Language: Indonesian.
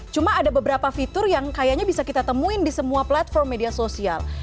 cuma ada beberapa fitur yang kayaknya bisa kita temuin di semua platform media sosial